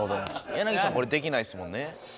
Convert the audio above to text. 柳さんこれできないですもんね？